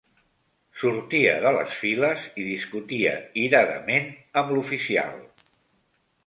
...sortia de les files i discutia iradament amb l'oficial.